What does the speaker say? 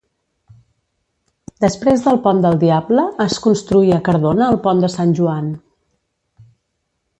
Després del pont del Diable, es construí a Cardona el pont de Sant Joan.